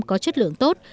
có chất lượng tốt